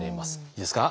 いいですか？